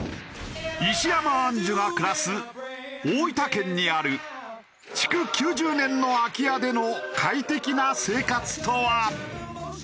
石山アンジュが暮らす大分県にある築９０年の空き家での快適な生活とは？